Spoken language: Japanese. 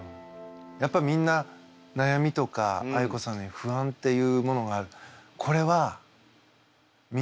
やっぱみんな悩みとかあいこさんのように不安っていうものがある。